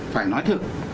phải nói thật